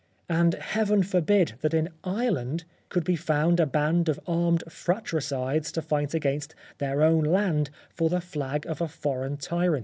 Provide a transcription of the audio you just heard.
And heaven forbid that in Ireland could be found a band of armed fratricides to fight against their own land for the flag of a foreign tyrant.